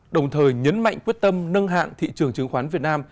đồng thời nhấn mạnh quyết tâm nâng hạn thị trường chứng khoán việt nam